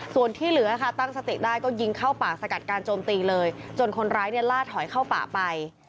ส่วนที่เหลือค่ะตั้งสติได้ก็ยิงเข้าป่าสกัดการโจมตีเลยจนคนร้ายเนี่ยล่าถอยเข้าป่าไป